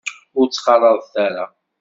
Ur t-ttxalaḍeɣ ara.